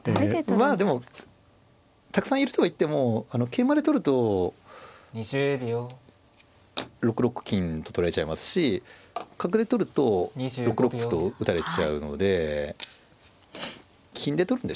まあでもたくさんいるとは言っても桂馬で取ると６六金と取られちゃいますし角で取ると６六歩と打たれちゃうので金で取るんでしょうね。